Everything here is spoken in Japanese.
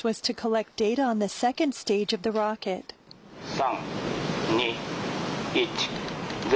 ３、２、１、０。